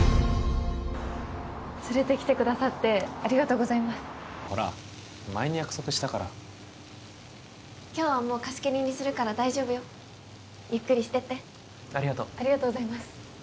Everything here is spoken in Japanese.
連れてきてくださってありがとうございますほら前に約束したから今日はもう貸し切りにするから大丈夫よゆっくりしてってありがとうありがとうございます